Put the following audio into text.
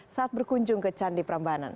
saat berkunjung ke candi prambanan